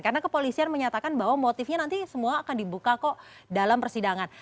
karena kepolisian menyatakan bahwa motifnya nanti semua akan dibuka kok dalam persidangan